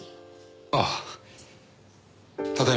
ああただいま。